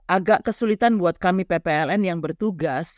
agak kesulitan buat kami ppln yang bertugas